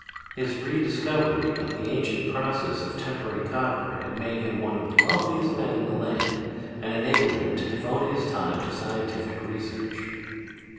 "His rediscovery of the ancient process of tempering copper had made him one of the wealthiest men in the land and enabled him to devote his time to scientific research.